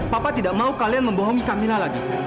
papa tidak mau kalian membohongi kamila lagi